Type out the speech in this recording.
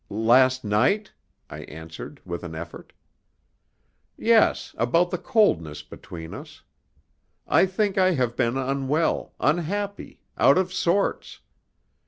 "Last night?" I answered, with an effort. "Yes, about the coldness between us. I think I have been unwell, unhappy, out of sorts.